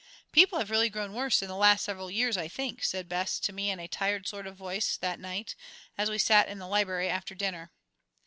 "People have really grown worse in the last several years, I think," said Bess to me in a tired sort of voice that night, as we sat in the library after dinner.